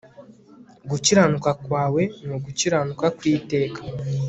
Gukiranuka kwawe ni ugukiranuka kw iteka